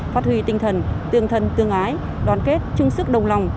phát huy tinh thần tương thân tương ái đoàn kết chung sức đồng lòng